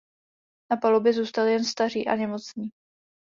Na palubě zůstali jen staří a nemocní.